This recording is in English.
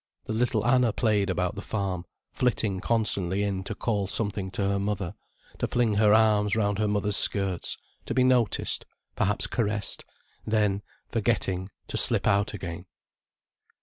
The little Anna played about the farm, flitting constantly in to call something to her mother, to fling her arms round her mother's skirts, to be noticed, perhaps caressed, then, forgetting, to slip out again.